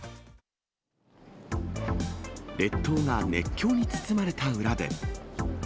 列島が熱狂に包まれた裏で。